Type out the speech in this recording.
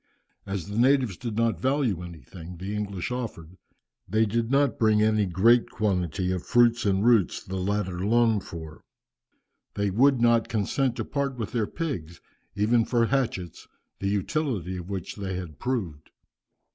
As the natives did not value anything the English offered, they did not bring any great quantity of the fruits and roots the latter longed for. They would not consent to part with their pigs even for hatchets, the utility of which they had proved.